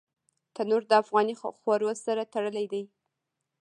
تنور د افغاني خوړو سره تړلی دی